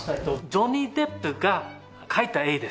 ジョニー・デップが描いた絵です。